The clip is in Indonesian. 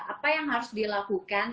apa yang harus dilakukan